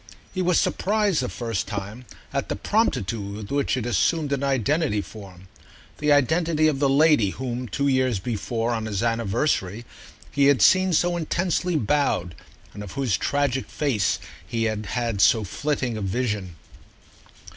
He was surprised, the first time, at the promptitude with which it assumed an identity for him—the identity of the lady whom two years before, on his anniversary, he had seen so intensely bowed, and of whose tragic face he had had so flitting a vision.